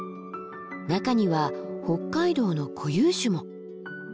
中には北海道の固有種も。